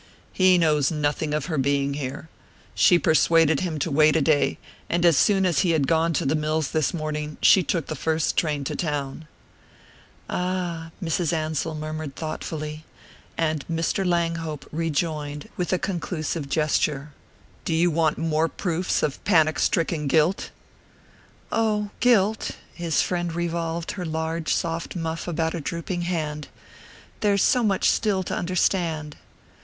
"He knows nothing of her being here. She persuaded him to wait a day, and as soon as he had gone to the mills this morning she took the first train to town." "Ah " Mrs. Ansell murmured thoughtfully; and Mr. Langhope rejoined, with a conclusive gesture: "Do you want more proofs of panic stricken guilt?" "Oh, guilt " His friend revolved her large soft muff about a drooping hand. "There's so much still to understand."